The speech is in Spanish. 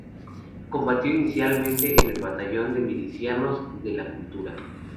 Combatió inicialmente en el batallón de Milicianos de la Cultura.